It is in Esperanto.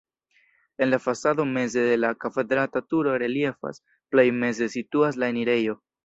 En la fasado meze la kvadrata turo reliefas, plej meze situas la enirejo.